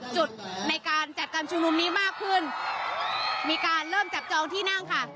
จุดในการจัดการชุมนุมนี้มากขึ้นมีการเริ่มจับจองที่นั่งค่ะ